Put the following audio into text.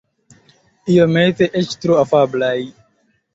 Iomete eĉ tro afablaj.